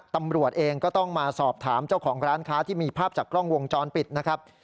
ตำรวจเองก็ต้องมาสอบถามเจ้าของร้านค้าที่มีภาพจากกล้องวงจรปิดนะครับ